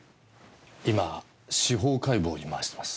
今司法解剖に回してます。